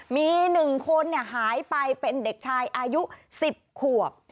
มี๑คนหายไปเป็นเด็กชายอายุ๑๐ขวบ